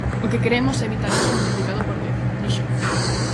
O que queremos é evitar iso multiplicado por dez, dixo.